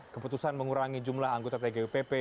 keputusan mengurangi jumlah anggota tgupp